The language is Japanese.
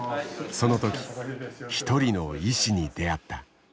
その時一人の医師に出会った。